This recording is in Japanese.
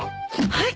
はい！